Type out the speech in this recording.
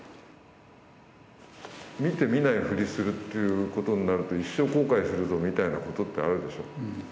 見て見ないふりするということになると一生後悔するぞみたいなことってあるでしょう。